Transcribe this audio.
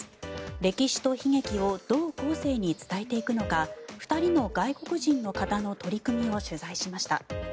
歴史と悲劇をどう後世に伝えていくのか２人の外国人の方の取り組みを取材しました。